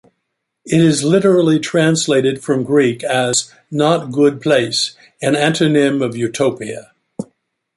It is literally translated from Greek as "not-good place", an antonym of "utopia".